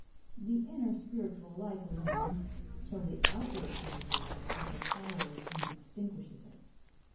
The inner spiritual light illumines, till the outward physical light overpowers and extinguishes it.